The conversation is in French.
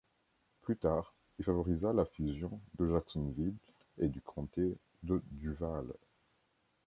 Plus tard, il favorisa la fusion de Jacksonville et du comté de Duval.